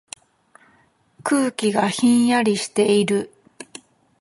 空気がひんやりしている。